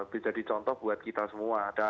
bisa dicontoh buat kita semua